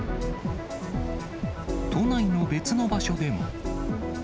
都内の別の場所でも。